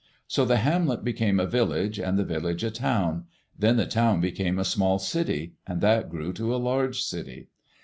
So the hamlet became a village, and the village a town; then the town became a small city, and that grew to a large city.